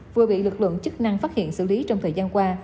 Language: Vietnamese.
vừa bị lực lượng chức năng phát hiện xử lý trong thời gian qua